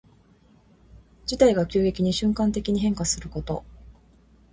事態が急激に瞬間的に変化すること。